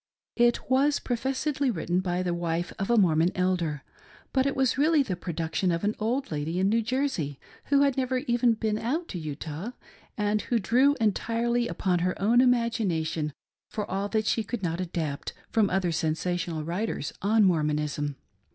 It was professedly written by the wife of a Mormon elder ; but it was really the production of an old lady in New Jersey, who had never even been out to Utah, and who drew entirely upon her own imagination for all that she could not adapt from other sensational writers on Mormonism.